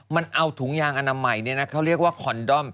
มันเอาถุงยางอนามัยเขาเรียกว่าคอนดอม